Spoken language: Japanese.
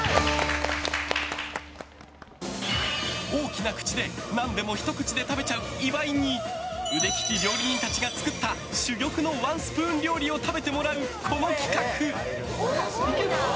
大きな口で何でもひと口で食べちゃう岩井に腕利き料理人たちが作った珠玉のワンスプーン料理を食べてもらう、この企画。